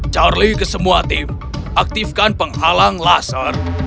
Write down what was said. charlie ke semua tim aktifkan penghalang laser